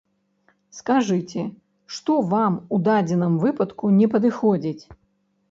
Скажыце, што вам у дадзеным выпадку не падыходзіць?